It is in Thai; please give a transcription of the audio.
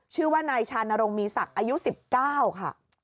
ชื่อว่านายชานรงมีศักดิ์อายุ๑๙ค่ะ